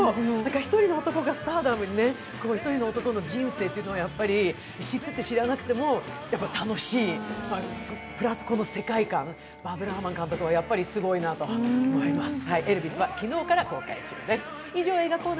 １人の男がスターダムにね、１人の男の人生をやっぱり知ってても知らなくても楽しい、プラスこの世界観、バズ・ラーマン監督は、やっぱりすごいなと思います。